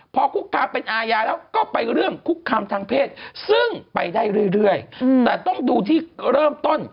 พอคุกคามเป็นอาญาแล้วก็ไปเรื่องคุกคามทางเพศซึ่งไปได้เรื่อยแต่ต้องดูที่เริ่มต้น